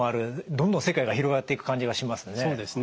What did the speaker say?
どんどん世界が広がっていく感じがしますね。